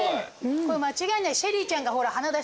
これ間違いない。